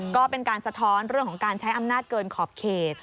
ก็เป็นการสะท้อนเรื่องของการใช้อำนาจเกินขอบเขต